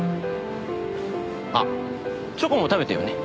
あっチョコも食べてよね。